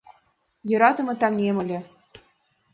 Йӧратыме таҥем ыле.